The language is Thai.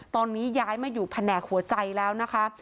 ตอนนี้ย้ายมาอยู่แผนกหัวใจแล้วนะคะ